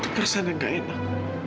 itu pesan yang gak enak